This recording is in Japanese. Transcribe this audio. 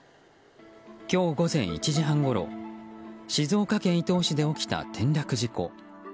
今日午前１時半ごろ静岡県伊東市で起きた転落事故。